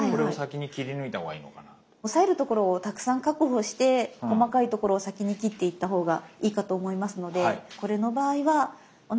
押さえるところをたくさん確保して細かいところを先に切っていったほうがいいかと思いますのでこれの場合はおなかの波線っていうか。